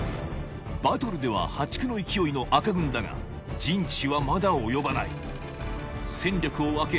バトルでは破竹の勢いの赤軍だが陣地はまだ及ばない戦力を分け